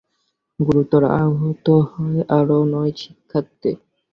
গুরুতর আহত হয় আরও নয় শিক্ষার্থী।